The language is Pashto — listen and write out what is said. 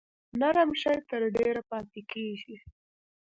نرم شی تر ډیره پاتې کیږي.